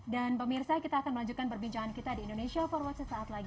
dan pemirsa kita akan melanjutkan perbincangan kita di indonesiaforward sesaat lagi